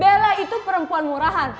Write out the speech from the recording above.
bella itu perempuan murahan